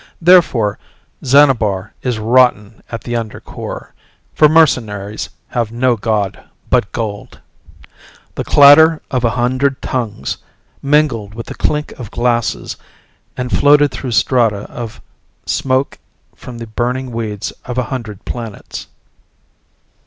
Therefore Xanabar is rotten at the under core, for mercenaries have no god but gold. The clatter of a hundred tongues mingled with the clink of glasses and floated through strata of smoke from the burning weeds of a hundred planets.